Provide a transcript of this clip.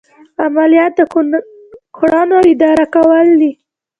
عملیات د کړنو اداره کول دي.